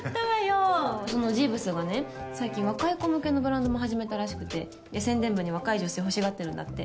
そうそのジーヴズがね最近若い子向けのブランドも始めたらしくてで宣伝部に若い女性欲しがってるんだって。